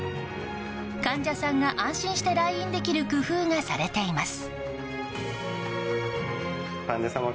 患者さんが安心して来院できる工夫がされています。